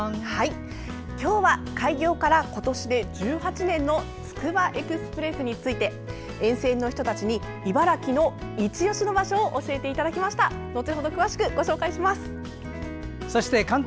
今日は開業から今年で１８年のつくばエクスプレスについて沿線の人たちに茨城のいちオシの場所を教えていただきました。